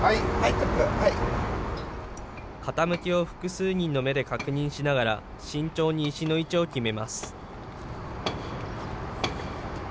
傾きを複数人の目で確認しながら、慎重に石の位置を決めます。